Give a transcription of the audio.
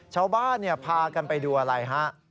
ชาวบ้านพากันไปดูอะไรฮะ